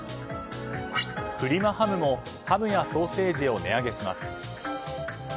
プリマハムもハムやソーセージを値上げします。